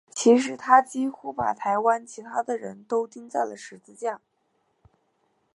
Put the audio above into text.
其实他几乎把台湾其他的人都钉上了十字架。